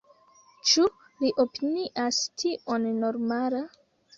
Ĉu li opinias tion normala?